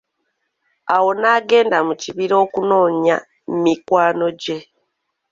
Awo naagenda mu kibira okunoonya mikwano gye.